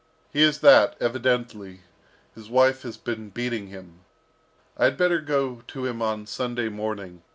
He is that evidently, his wife has been beating him. I'd better go to him on Sunday morning.